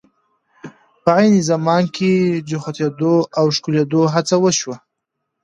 په عین زمان کې جوختېدو او ښکلېدو هڅه وشوه.